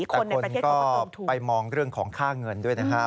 คนในประเทศเขาก็ว่าไปมองเรื่องของค่าเงินด้วยนะฮะ